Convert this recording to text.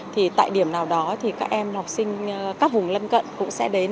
thì tại điểm nào đó thì các em học sinh các vùng lân cận cũng sẽ đến